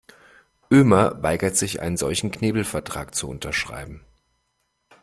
Ömer weigert sich, einen solchen Knebelvertrag zu unterschreiben.